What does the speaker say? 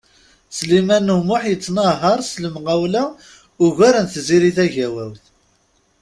Sliman U Muḥ yettnahaṛ s lemɣawla ugar n Tiziri Tagawawt.